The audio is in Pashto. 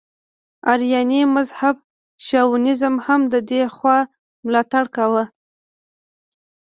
ایراني مذهبي شاونیزم هم د دې خوا ملاتړ کاوه.